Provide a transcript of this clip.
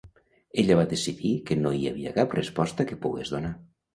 Ella va decidir que no hi havia cap resposta que pogués donar.